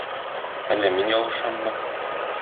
Әллә мин ялгышаммы?